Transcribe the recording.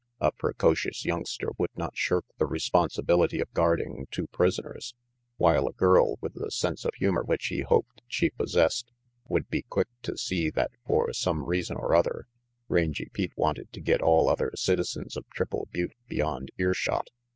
A precocious youngster would not shirk the respon sibility of guarding two prisoners, while a girl with the sense of humor which he hoped she possessed would be quick to see that for some reason or other Rangy Pete wanted to get all other citizens of Triple Butte beyond earshot.